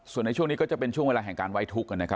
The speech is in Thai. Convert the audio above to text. ส่วนในช่วงนี้ก็จะเป็นช่วงเวลาแห่งการไว้ทุกข์